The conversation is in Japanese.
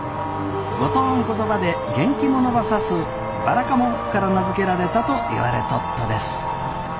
五島ん言葉で元気者ば指すばらかもんから名付けられたといわれとっとです。